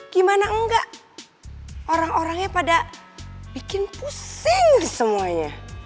gimana enggak orang orangnya pada bikin pusing semuanya